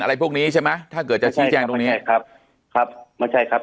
อะไรพวกนี้ใช่ไหมถ้าเกิดจะชี้แจ้งตรงเนี้ยครับครับไม่ใช่ครับ